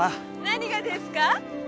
何がですか？